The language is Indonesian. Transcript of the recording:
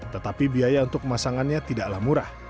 tetapi biaya untuk pemasangannya tidaklah murah